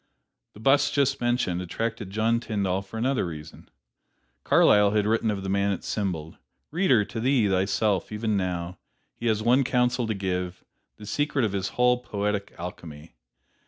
The bust just mentioned, attracted John Tyndall for another reason: Carlyle had written of the man it symboled: "Reader, to thee, thyself, even now, he has one counsel to give, the secret of his whole poetic alchemy.